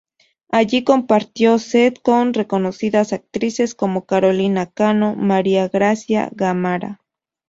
Allí compartió set con reconocidas actrices como Carolina Cano y María Grazia Gamarra.